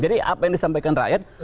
jadi apa yang disampaikan rakyat